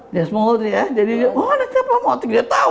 oh anaknya pak motik dia tau